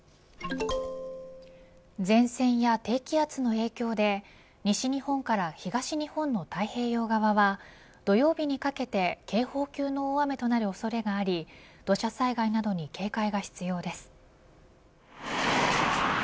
前線や低気圧の影響で西日本から東日本の太平洋側は土曜日にかけて警報級の大雨となる恐れがあり土砂災害などに警戒が必要です。